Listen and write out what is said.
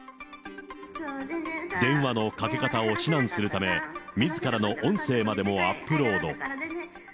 電話のかけ方を指南するため、みずからの音声までもアップロード。